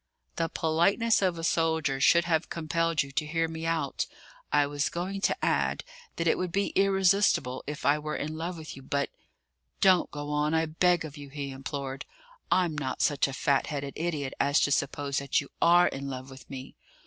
"The politeness of a soldier should have compelled you to hear me out. I was going to add, that it would be irresistible if I were in love with you; but " "Don't go on, I beg of you!" he implored. "I'm not such a fat headed idiot as to suppose that you are in love with me.